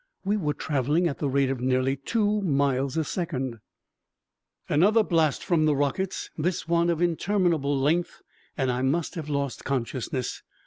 We were traveling at the rate of nearly two miles a second! Another blast from the rockets, this one of interminable length, and I must have lost consciousness.